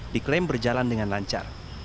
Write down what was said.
diklaim berjalan dengan lancar